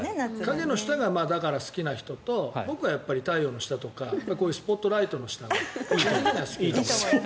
影の下が好きな人と僕は太陽の下とかこういうスポットライトの下が。